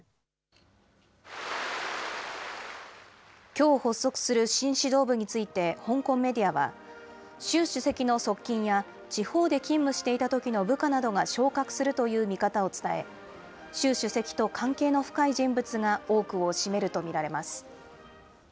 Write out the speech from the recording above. きょう発足する新指導部について、香港メディアは、習主席の側近や、地方で勤務していたときの部下などが昇格するという見方を伝え、習主席と関係の深い人物が多くを占めると見られます。